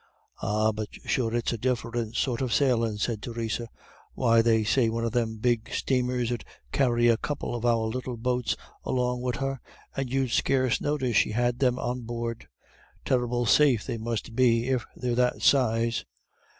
"Ah, but sure it's a diff'rint sort of sailin'," said Theresa. "Why, they say one of them big stamers 'ud carry a couple of our little boats along wid her, and you'd scarce notice she had them on board. Terrible safe they must be if they're that size."